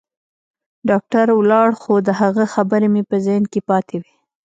ډاکتر ولاړ خو د هغه خبرې مې په ذهن کښې پاتې وې.